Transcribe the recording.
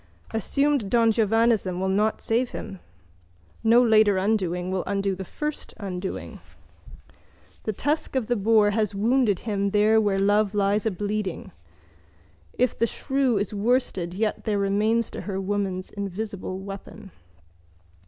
Assumed dongiovannism will not save him. No later undoing will undo the first undoing. The tusk of the boar has wounded him there where love lies ableeding. If the shrew is worsted yet there remains to her woman's invisible weapon.